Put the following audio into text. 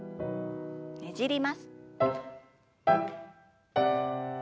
ねじります。